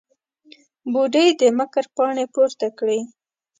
بوډۍ د مکر پاڼې پورته کړې.